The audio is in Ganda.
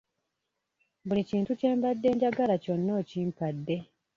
Buli kintu kye mbadde njagala kyonna okimpadde.